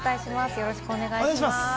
よろしくお願いします。